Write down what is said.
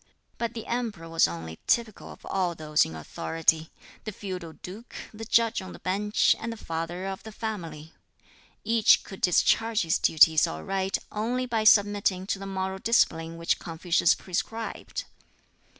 But the Emperor was only typical of all those in authority the feudal duke, the judge on the bench, and the father of the family. Each could discharge his duties aright only by submitting to the moral discipline which Confucius prescribed.